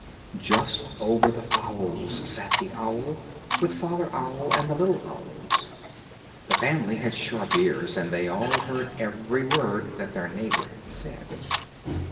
Just over the fowls sat the owl, with father owl and the little owls. The family has sharp ears, and they all heard every word that their neighbour had said.